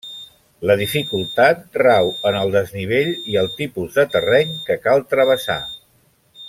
La dificultat rau en el desnivell i el tipus de terreny que cal travessar.